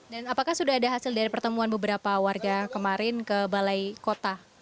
dan apakah sudah ada hasil dari pertemuan beberapa warga kemarin ke balai kota